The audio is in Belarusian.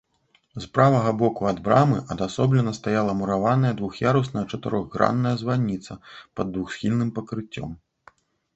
З правага боку ад брамы адасоблена стаяла мураваная двух'ярусная чатырохгранная званіца пад двухсхільным пакрыццём.